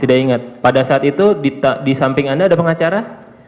tidak ingat pada saat itu di samping anda ada pengacara